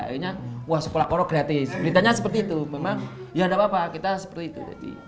akhirnya wah sekolah porok gratis beritanya seperti itu memang ya tidak apa apa kita seperti itu